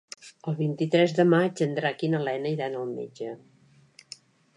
El vint-i-tres de maig en Drac i na Lena iran al metge.